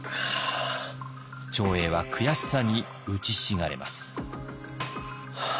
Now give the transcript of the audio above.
長英は悔しさにうちひしがれます。